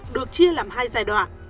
được chia làm hai giai đoạn